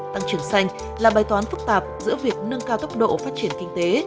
tăng trưởng xanh là bài toán phức tạp giữa việc nâng cao tốc độ phát triển kinh tế